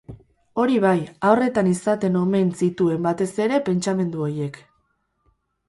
Hori bai, haurretan izaten omen zituen batez ere pentsamendu horiek.